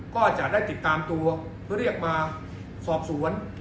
ก็จะได้ติดตามตัวเพื่อเรียกมาสอบสวน